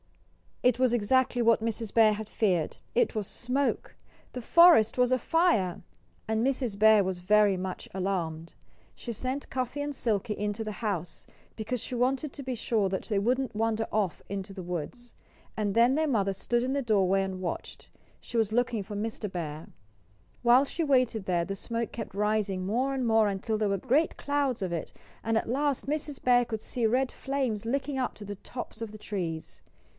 It was exactly what Mrs. Bear had feared it was smoke! The forest was afire! And Mrs. Bear was very much alarmed. She sent Cuffy and Silkie into the house, because she wanted to be sure that they wouldn't wander off into the woods. And then their mother stood in the doorway and watched. She was looking for Mr. Bear. While she waited there the smoke kept rising more and more until there were great clouds of it; and at last Mrs. Bear could see red flames licking up to the tops of the trees.